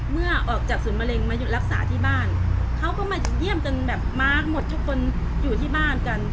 เมื่อออกจากศูนย์มะเร็งมาหยุดรักษาที่บ้านเขาก็มาเยี่ยมจนแบบมาร์คหมดทุกคนอยู่ที่บ้านกัน